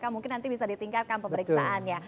mungkin nanti bisa ditingkatkan pemeriksaannya